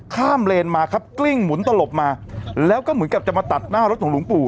เลนมาครับกลิ้งหมุนตลบมาแล้วก็เหมือนกับจะมาตัดหน้ารถของหลวงปู่